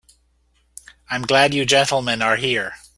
I'm glad you gentlemen are here.